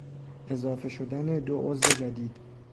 اضافه شدن دو عضو جدید